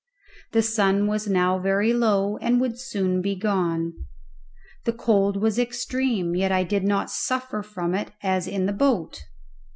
The sun was now very low, and would soon be gone. The cold was extreme, yet I did not suffer from it as in the boat.